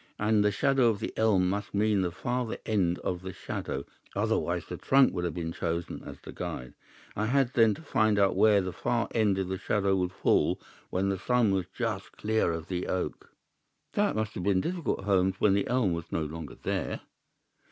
And the shadow of the elm must mean the farther end of the shadow, otherwise the trunk would have been chosen as the guide. I had, then, to find where the far end of the shadow would fall when the sun was just clear of the oak." "That must have been difficult, Holmes, when the elm was no longer there."